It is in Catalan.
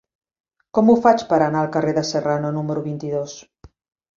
Com ho faig per anar al carrer de Serrano número vint-i-dos?